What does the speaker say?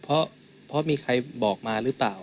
เพราะมีใครบอกมาหรือเปล่า